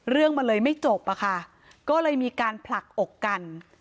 เรื่องมันเลยไม่จบอะค่ะก็เลยมีการผลักอกกัน